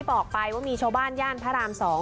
บอกไปว่ามีชาวบ้านย่านพระราม๒